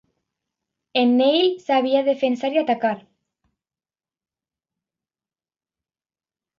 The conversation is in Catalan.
En Neil sabia defensar i atacar.